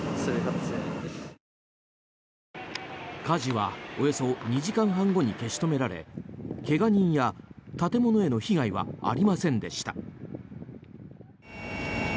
火事はおよそ２時間半後に消し止められ怪我人や建物への被害はありませんでした。